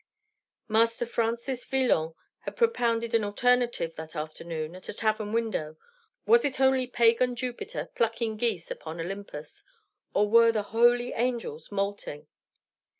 Master Francis Villon had propounded an alternative that afternoon, at a tavern window: was it only Pagan Jupiter plucking geese upon Olympus, or were the holy angels moulting?